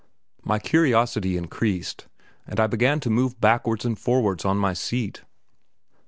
My curiosity increased, and I began to move backwards and forwards on the seat.